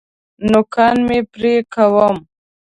نوکان مي پرې کوم .